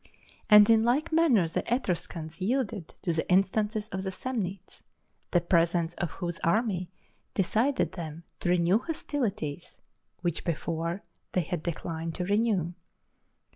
And in like manner the Etruscans yielded to the instances of the Samnites, the presence of whose army decided them to renew hostilities which before they had declined to renew.